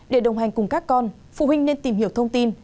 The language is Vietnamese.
để đồng hành cùng các con phụ huynh nên tìm hiểu thông tin